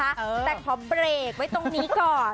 แต่ขอเบรกไว้ตรงนี้ก่อน